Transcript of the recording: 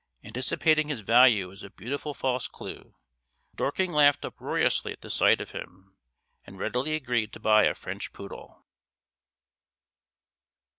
Anticipating his value as a beautiful false clue, Dorking laughed uproariously at the sight of him, and readily agreed to buy a French poodle.